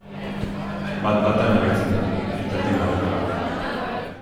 Bat-batean agertzen da, eta etengabekoa da.